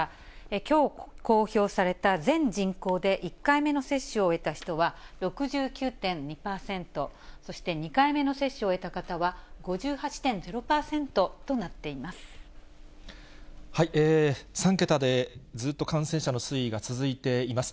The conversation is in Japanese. きょう公表された全人口で１回目の接種を終えた人は６９．２％、そして２回目の接種を終えた方は５８．０％となっています。